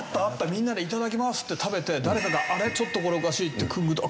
みんなで「いただきます」って食べて誰かが「あれ？ちょっとこれおかしい」って。